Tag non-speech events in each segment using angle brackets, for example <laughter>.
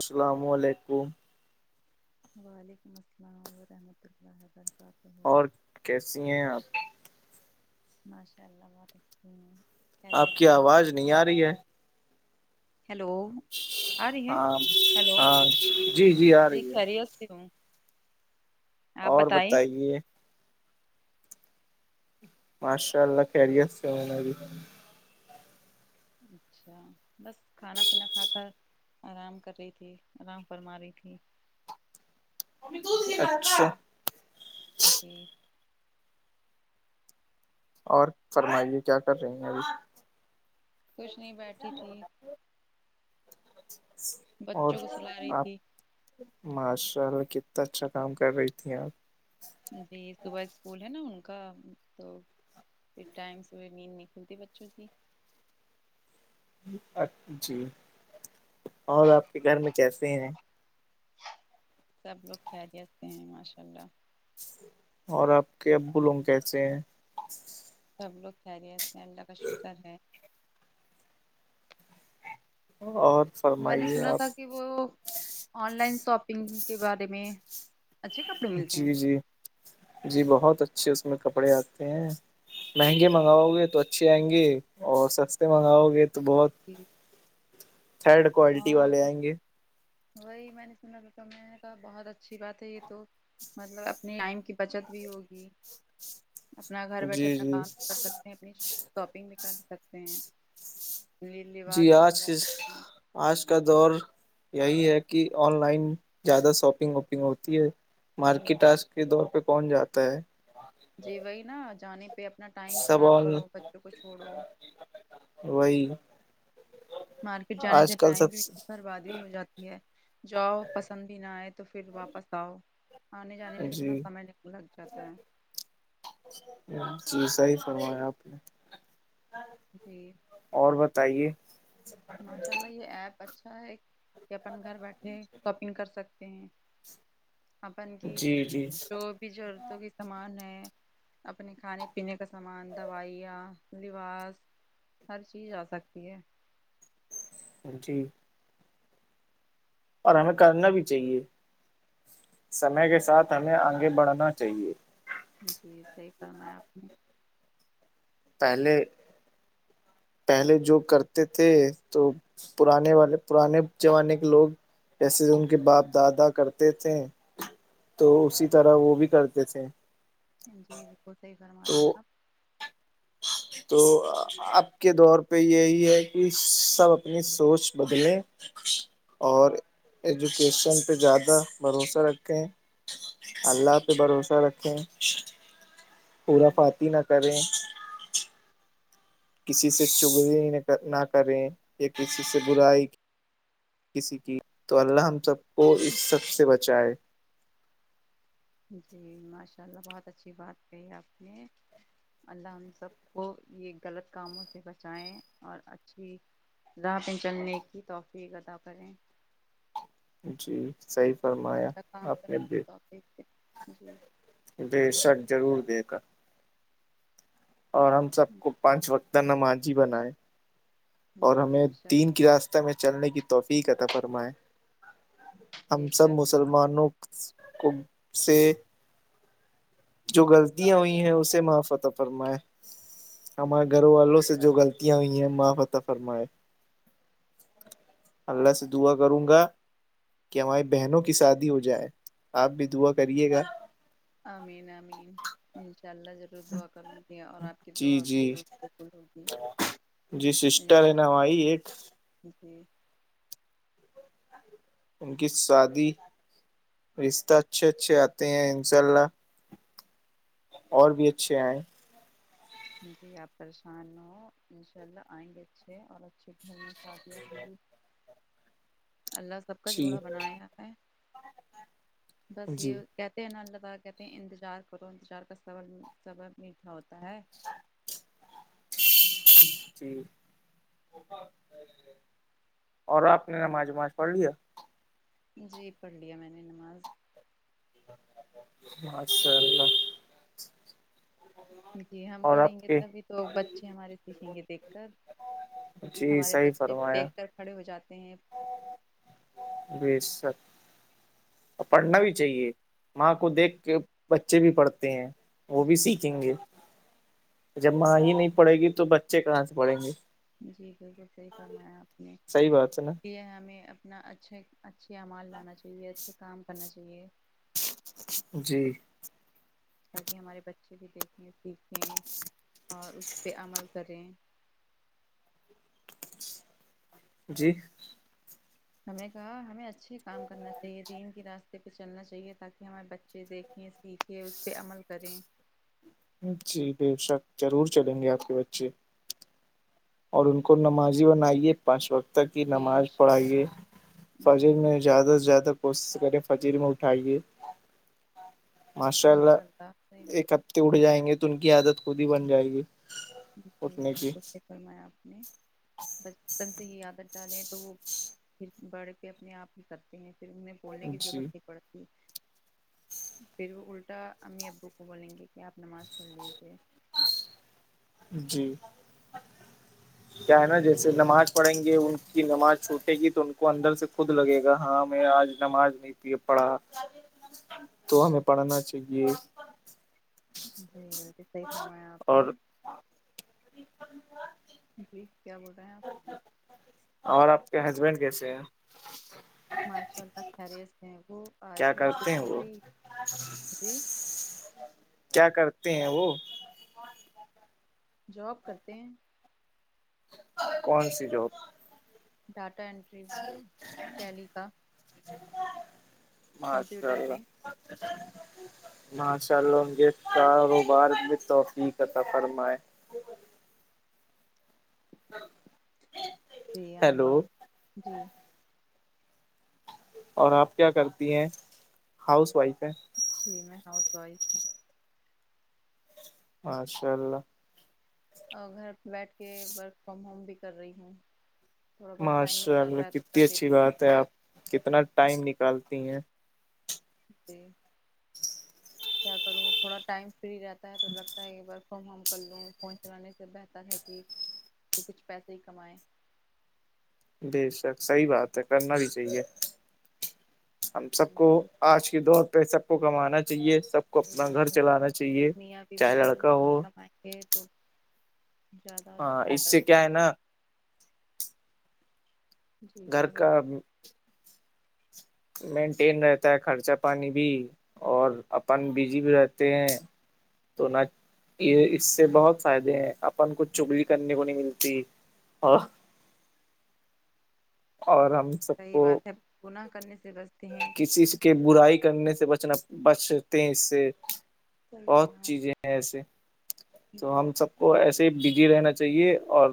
السلام علیکم وعلیکم السلام ورحمۃ اللہ وبرکاتہ اور کیسی ہیں آپ ماشاء اللہ و آپ کی آواز نہیں آ رہی ہے ہیلو آ رہی ہے ہاں ہلو ہاں جی جی آ ہے کہ رہی ہس کی ہ اور بتائیے ماشاء اللہ خریت سے ہو بھی اچھا بس کھانا پینا کھا کر آرام کر رہی تھی آرام فرما رہی تھی <unintelligible> جکی اور فرمائیے کیا کر رہی ہیں ابھی کچھ نہیں بیٹھی تھی اور بچوں کو سلا رہی آپ تھی ماشاء اللہ کتنا اچھا کام کر رہی تھی آپ جی صبح اسکول ہے نا ان کا تو پھر ٹائم سے نیند نکلتی بچوں کی جی اور آپ کے گھر میں کیسے ہیں سب لوگ کاریتے ہیں ماشاء اللہ اور آپ کے ابو لوگ کیسے ہیں سب لوگ خیریت ہیں اللہ کا شکر ہے اور میں نے فرمائیے سنا آپ تھا کہ وہ آن لائن شاپنگ کے بارے میں اچھا کپے جی- جی- جی بہت اچھے اس میں کپڑے آتے ہیں- مہنگے منگاؤ گے تو اچھی آئیں گے، اور سستے منگاؤ گے تو بہت جٹھیک تھرڈ ہاں کوالٹی والے آ آئیں گے وہی میں نے سنا تھا تھا میں نے کہا بہت اچھی بات ہے یہ تو- مطلب اپنے ٹائم کی بچت بھی ہوگی- اپنا گھر بیٹھے جی اپنا جی کام بھی کر سکتے ہیں اپنی شاپنگ بھی کر سکتے ہیں- نی لباس جی بھی آج للاا سکتے ہیں- آج کا دور یہی ہے کہ آن لائن زیادہ شاپنگ ووپنگ ہوتی ہے- مارکیٹ جی آس کے دور پہ کون جاتا ہے- جی وہی نا جانے پہ اپنا ٹائم سب خراب آن کرو بچوں کو چھوڑو- وہی مارکیٹ جانے سے آج کل ٹائم سب بھی برباد بھی ہو جاتی ہے- جاؤ پسند بھی نہ آئے تو پھر واپس آؤ- آنے جانے میں کتنا جی سمے لگ جاتا ہے- جی صحی فرمایا آپ نے- جی- اور بتائیے- ماشاء اللہ یہ ایپ اچھا ہے کہ اپن گھر بیٹھے شاپنگ کر سکتے ہیں- اپن کی جی جی جو بھی ضرورتوں کے سامان ہے- اپنے کھانے پینے کا سامان دوائیاں لباس- ہر چیز آ سکتی ہے- جی- اور ہمیں کرنا بھی چاہیے سمے کے ساتھ ہمیں آگے بڑھنا چاہیے- جی صحیح فرمایا آپ نے- پہلے، پہلے جو کرتے تھے تو پرانے والے پرانے زمانے کے لوگ- جیسے ان کے باپ دادا کرتے تھے- تو اسی طرح وہ بھی کرتے تھے- جی بالکل صحی فرما رہے ہیں تو آپ- تو اب کے دور پہ یہی ہے کہ سب اپنی سوچ بدلے- اور ایجوکیشن پہ زیادہ بھروسہ رکھیں- اللہ پہ بھروسہ رکھیں پورا جی فاتح نہ کریں- کسی سے چگ نہ کریں یا کسی سے برائی- کسی کی تو اللہ ہم سب کو اس سب سے بچائے- جی ماشاء اللہ بہت اچھی بات کہی آپ نے- اللہ ہم سب کو یہ غلط کاموں سے بچائیں اور اچھی- را پہ چلنے کی توفی ادا کریں- جی صحیح فرمایا اچھا کام آپ نے کرنے کی د- توفیق دیں۔ جی جی سر ضرور دے گا اور ہم سب کو پانچ وقت نمازی بنائے اور جی ہمیں انشاء اللہ، تین کے راس- چلنے کی توفیع کاتا فرمائے بے ہم سب شک مسلمانوں کب سے جو غلطیاں ہوئی ہیں اسے مفتح فرمائے ہمارے گھر آمین والوں سے جو غلط- یا ہوئی ہیں ماں فتا فرماائے اللہ سے دعا کروں گا کہ ہماری بہنوں کی شادی ہو جائے آپ بھی دعا کریے گا- امین-امین انشاء اللہ- دعا کر گی اور آپ کی جی دعا جی بھیکول ہوگی جی سسٹر ہے انشاء اللہ نائی ایک جی ان کی سادی رشتہ اچھے اچھے آتے ہیں انشاء اللہ اور بھی اچھے آئے جی آپ پریشان ہو انشاء اللہ آئیں گے اچھے اور اچھے گھر میں شادیاں ہوں گی اللہ سب کا جی جوڑا بنایا ہے بس جی یہ کہتے ہیں ن اللہا کہتے ہیں انتظار کرو انتظار کا سبر میٹھا ہوتا ہے جی اور آپ نے نمازماز پڑھ لیا جی پڑھ لیا میں نے نماز ماشاءاللہ جی ہم پڑھیں گے تبھی تو بچے ہمارے سیکھیں گے دیکھ کر جی ہمارے صحیح بچے فرمایا دیکھ کر کھڑے ہو جاتے ہیں بیس س اور پڑھنا بھی چاہیے ماں کو دیکھ کے بچے بھی پڑھتے ہیں وہ بھی جی سیکھیں گے جب ماں ہی نہیں پڑے گی تو بچے کہاں سے پڑیں گی جی بالکل صحی فرمایا آپ نے صحیح بات ہے نا یہ ہمیں اپنا اچھے اچھے اعمال لانا چاہیے اچھے کام کرنا چاہیے جی تاکہ ہمارے بچے بھی دیکھیں سیکھیں اور اس پہ عمل کریں جی ہمیں کہا ہمیں اچھے کام کرنا چاہیے دین کی راستے پہ چلنا چاہیے تاکہ ہمارے بچے دیکھیں سیکھیں اس پہ عمل کریں جی بے شک ضرور چلیں گے آپ کے بچے اور ان کو نمازی بنائیے پانچ وقت تک کی جی نماز انشاء پڑھائیے اللہ انشاء فجل اللہ نے زیادہ سے زیادہ کوشش کرے فجیر میں اٹھائیے ماشاء اللہ انشاء صحیح ایک بات ہے ہفتے اٹھ جائیں گے تو ان کی عادت خود ہی بن جائے گی اٹھنے کی جییالک اور میں آپ نے بچپن سے ہی عادت ڈالیں تو وہ پھر باڑے پہ اپنے آپ ہی کرتے ہیں پھر انہیں بولنے کی جی ضرورت نہیں پڑتی پھر وہ الٹا امی ابو کو بولیں گے کہ آپ نماز پڑھ لیجیے جی کیا ہے نا جیسے نماز پڑھیں گے ان کی نماز چھوٹے گی تو ان کو اندر سے خود لگے گا ہاں میں آج نماز نہیں پ پڑھا تو ہمیں پڑھنا چاہیے جی صحی فمایا آپ نے اور جی کیا بول رہے ہیں آپ اور آپ کے ہسبینڈ کیسے ہیں ماشاء اللہ خریت سےھے وہ آئے کیا تھے آفس کرتے ہیں سے وہ بھی جی کیا کرتے ہیں وہ جاب کرتے ہیں کون سی جواب ڈاٹا انینٹری ٹیلی کا ماشاء کمپیوٹر اللہ میں ماشاء اللہ کے کاروبار میں توفیعقتا فرمائے <unintelligible> ہیلو بیامین جی اور آپ کیا کرتی ہیں ہاؤس وائف ہے جی میں ہاؤس وائف ہوں ماشاء اللہ اور گھر بیٹھ کے ورک فرام ہوم بھی کر رہی ہوں تھوڑا بہت ٹائم مل ماشاء اللہ جاتا ہے تو کتنی کر اچھی لیتی ہوں بات ہے آپ کتنا ٹائم نکالتی ہیں جی <unintelligible> کیا کروں تھوڑا ٹائم فری رہتا ہے تو لگتا ہے کہ ورک فرام ہوم کر لوں فون چلانے سے بہتر ہے کہ کہ کچھ پیسے ہی کمائیں بے شک صحیح بات ہے کرنا بھی چاہیے ہم سب جی کو آج کے دور پہ سب کو کمانا چاہیے سب کو صحیح اپنا گھر بات ہے چلانا چاہیے میاں بیوی چاہے دونوں لڑکا مل ہو کے تو زیادہ ہاں اس بیٹر سے کیا ہے نا جی کیا بول ج مینٹین رہتا ہے خرچہ پانی بھی اور اپن بزی بھی رہتے ہیں تو نہ یہ اس سے بہت فائدے ہیں اپن کوچھ چگلی کرنے کو نہیں ملتی آ اور ہم سب کی کو بات ہے پن کرنے سے بستے ہیں کسی کے برائی کرنے سے بچنا بچتے ہیں اس سے صحیح بہت فرمایا چیزیں ہیں ایسے تو جی ہم سب کو ایسے بزی رہنا چاہیے اور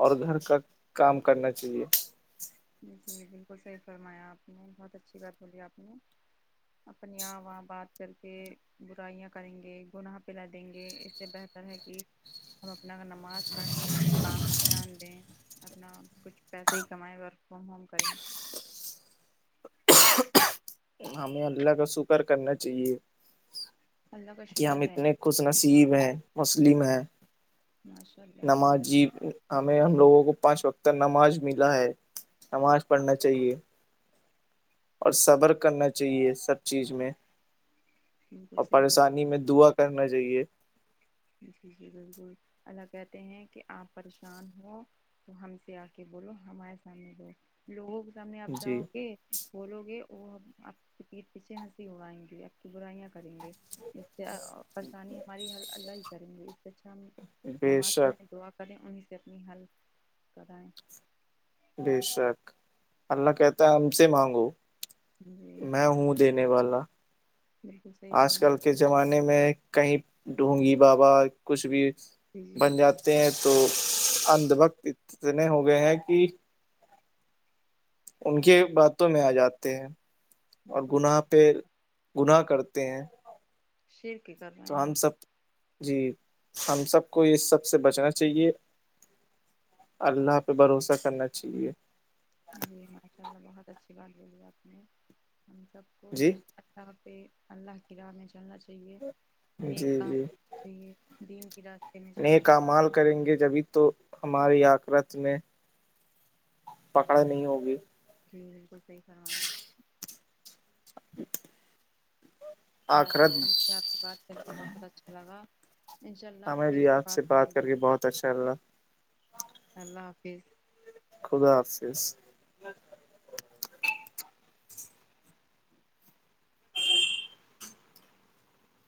اور گھر کا کام کرنا چاہیے جی جی بالکل صحیح فرمایا آپ نے بہت اچھی بات بولی آپ نے اپنی آاں واں بات کر کے برائیاں کریں گے گناہ پلا دیں گے اس سے بہتر ہے کہ ہم اپنا نماز پڑھیں اپنے کام دھیان دیں اپنا کچھ پیسے ہی کمائیں ورک فرام ہوم کریں ہمیں اللہ کا شکر کرنا چاہیے اللہ کا کہ ہم شکر ہے اتنے خوش نصیب ہیں مسلم ہیں ماشاء اللہ سے نمازی ہمیں ہم لوگوں کو پانچ وقت ت نماز ملا ہے نماز پڑھنا چاہیے اور صبر کرنا چاہیے سب چیز میں بالکل اور صحیح پریشانی میں دعا کرنا چاہیے جی جی بالکل اللہ کہتے ہیں کہ آپ پریشان ہ تو ہم سے آ کے بولو ہمارے سامنے دو لوگوں کے سامنے آپ جی جاؤ گے بولو گے وہ ہم آپ کی پیٹھ پیچھے ہنسی ہوگائیں گے آپ کی برائیاں کریں گے اس سے پریشانی ہماری ہر اللہ ہی کریں گے اس سےر ہم بے نماز شک پڑھیں د کریں انہیں سے اپنی ہیلپ کرائیں بے شک اللہ کہتا ہے ہم سے مانگو جی میں ہوں دینے والا بالکل صحیح آج فرما کل کے زمانے میں کہیں ڈونگی بابا کچھ بھی جی جی بن جات ہیں تو اندھ وقت اتنے ہو گئے ہیں کہ ان کے باتوں میں آ جاتے ہیں اور بالکل صحیح گناہ پہ گناہ کرتے ہیں شرک کر تو رہے ہم ہیں سب جی ہم سب کو یہ سب سے بچنا چاہیے اللہ پہ بھروسہ کرنا چاہیے جی ماشاء اللہ بہت اچھی بات بولی آپ نے ہم سب کو جی صرف پہ اللہ کی ر میں چلنا یے جی نیک کام جی چاہیے دین کے راستے میں چلنا نیک چاہیے اعمال کریں گے جبھی تو ہماری آکرت میں پکڑا نہیں ہوگی جی بالکل صحیح فرمایا آپ نے اچ ماشاء اللہ مجھ آپ سے بات کر کے بہت اچھا لگا انشاء اللہ ہمیں پھر بھی سے آپ بات کریں گے کر کے بہت اچھا لگا اللہ حافظ خدا حافظ